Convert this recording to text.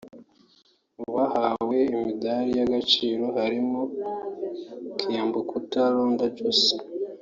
Mu bahawe imidali y’agaciro harimo Kiambukuta Londa Josky